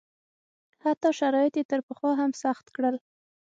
حتی شرایط یې تر پخوا هم سخت کړل.